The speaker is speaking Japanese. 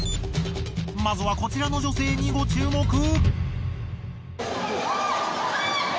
まずはこちらの女性にご注目。